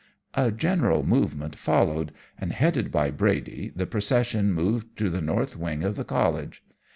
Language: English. "A general movement followed, and headed by Brady the procession moved to the north wing of the College.